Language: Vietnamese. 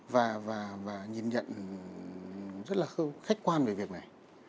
và nhìn nhận rất là khách quan về việc này